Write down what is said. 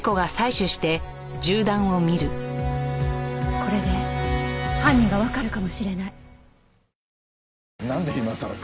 これで犯人がわかるかもしれない。